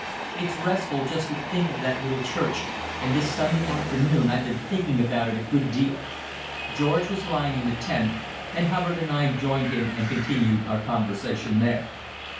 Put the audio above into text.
It's restful just to think of that little church, and this Sunday afternoon I've been thinking about it a good deal." George was lying in the tent, and Hubbard and I joined him and continued our conversation there.